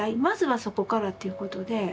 まずはそこからっていうことで。